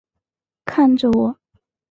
看着我